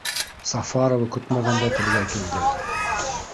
Сафарова көтмәгәндә телгә Килде: